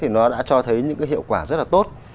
nó đã cho thấy những hiệu quả rất tốt